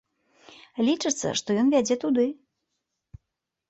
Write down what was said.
Лічыцца, што ён вядзе туды.